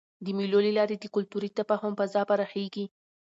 د مېلو له لاري د کلتوري تفاهم فضا پراخېږي.